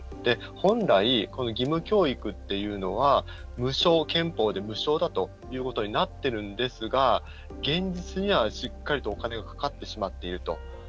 本来、義務教育っていうのは憲法で無償だということになってるんですが現実には、しっかりとお金がかかってしまっていると。